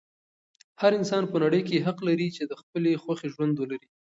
هر انسان په نړۍ کې حق لري چې د خپلې خوښې ژوند ولري.